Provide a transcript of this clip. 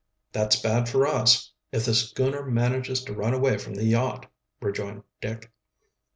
"That's bad for us if the schooner manages to run away from the yacht," rejoined Dick.